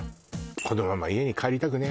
「このまま家に帰りたくねえな」